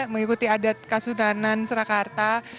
mengikuti adat kasudanan surakarta